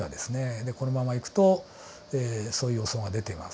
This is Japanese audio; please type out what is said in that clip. このままいくとそういう予想が出ています。